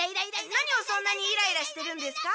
何をそんなにイライラしてるんですか？